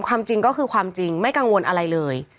ความจริงก็คือความจริงไม่กังวลอะไรเลย